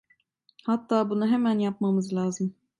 Hatta bunu hemen yapmamız lazım.